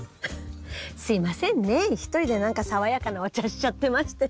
すいませんね１人で何かさわやかなお茶しちゃってまして。